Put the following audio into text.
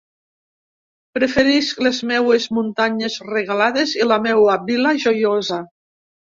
Preferisc les meues muntanyes regalades i la meua Vila Joiosa!